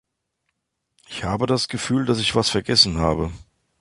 Ich habe das Gefühl, dass ich was vergessen habe.